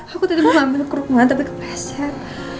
aku tadi mau ambil kerukman tapi kepeset